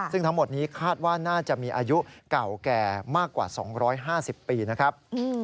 ซึ่งทั้งหมดนี้คาดว่าน่าจะมีอายุเก่าแก่มากกว่า๒๕๐ปีนะครับ